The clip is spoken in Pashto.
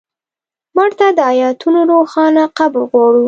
مړه ته د آیتونو روښانه قبر غواړو